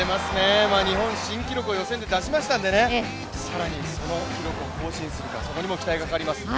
日本新記録を予選で出しましたのでね、更にその記録を更新するか、そこにも期待がかかります。